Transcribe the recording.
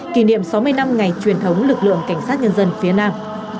kỷ niệm sáu mươi năm ngày truyền thống lực lượng cảnh sát nhân dân phía nam